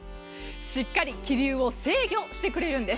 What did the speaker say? しっかり気流を制御してくれるんです。